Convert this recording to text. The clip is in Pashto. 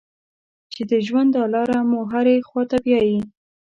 چې د ژوند دا لاره مو هرې خوا ته بیايي.